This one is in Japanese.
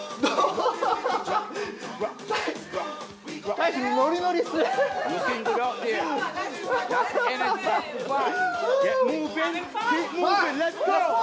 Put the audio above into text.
大使、ノリノリっすね。